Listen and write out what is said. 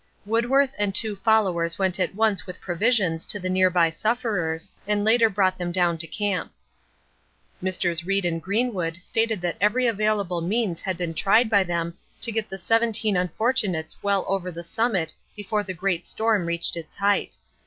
Woodworth and two followers went at once with provisions to the near by sufferers, and later brought them down to camp. Messrs. Reed and Greenwood stated that every available means had been tried by them to get the seventeen unfortunates well over the summit before the great storm reached its height.